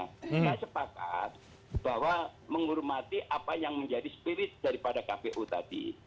kita sepakat bahwa menghormati apa yang menjadi spirit daripada kpu tadi